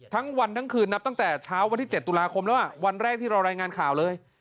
ทั้งวันทั้งคืนนับตั้งแต่เช้าวันที่๗ตุลาคมแล้ววันแรกที่เรารายงานข่าวเลย